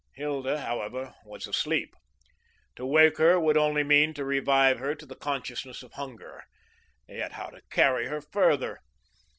Hilda, however, was asleep. To wake her would only mean to revive her to the consciousness of hunger; yet how to carry her further?